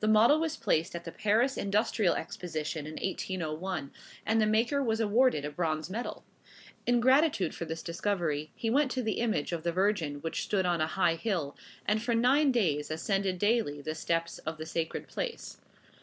The model was placed at the Paris Industrial Exposition in 1801; and the maker was awarded a bronze medal. In gratitude for this discovery he went to the image of the Virgin which stood on a high hill, and for nine days ascended daily the steps of the sacred place.